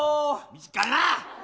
短いな。